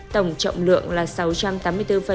tổng trọng lượng là sáu trăm tám mươi bốn bảy mươi ba gram